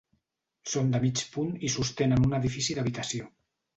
Són de mig punt i sostenen un edifici d'habitació.